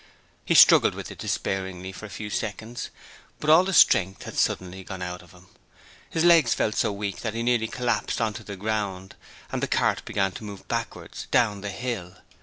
He struggled with it despairingly for a few seconds, but all the strength had suddenly gone out of him: his legs felt so weak that he nearly collapsed on to the ground, and the cart began to move backwards down the hill.